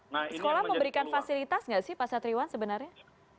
sekolah memberikan fasilitas nggak sih pak satriwan sebenarnya